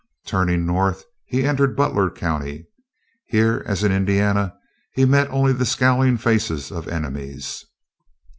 Turning north, he entered Butler County. Here, as in Indiana, he met only the scowling faces of enemies.